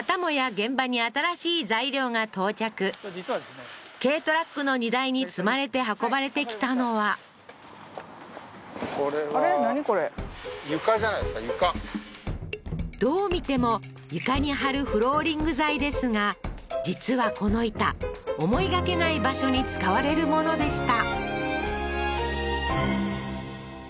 現場に新しい材料が到着軽トラックの荷台に積まれて運ばれてきたのは床どう見ても床に張るフローリング材ですが実はこの板思いがけない場所に使われるものでした